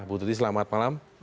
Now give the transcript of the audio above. bu tuti selamat malam